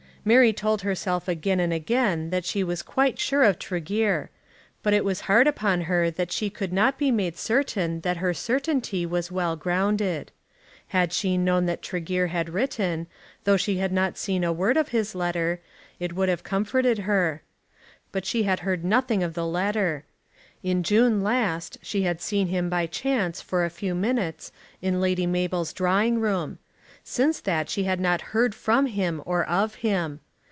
Mary told herself again and again that she was quite sure of Tregear; but it was hard upon her that she could not be made certain that her certainty was well grounded. Had she known that Tregear had written, though she had not seen a word of his letter, it would have comforted her. But she had heard nothing of the letter. In June last she had seen him, by chance, for a few minutes, in Lady Mabel's drawing room. Since that she had not heard from him or of him.